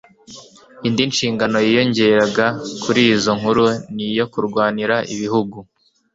Indi shingano yiyongeraga kuri izo nkuru ni iyo kurwanira igihugu